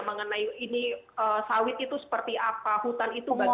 mengenai ini sawit itu seperti apa hutan itu bagaimana